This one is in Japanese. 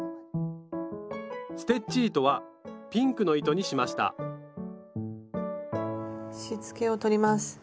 ステッチ糸はピンクの糸にしましたしつけを取ります。